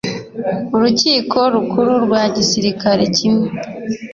urukiko rukuru rwa gisirikare kimwe